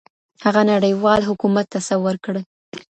هغه نړيوال حکومت تصور کړ.